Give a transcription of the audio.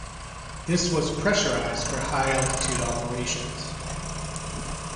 This was pressurised for high-altitude operations.